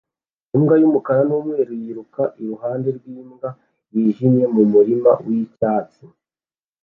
Imbwa y'umukara n'umweru yiruka iruhande rw'imbwa yijimye mu murima w'icyatsi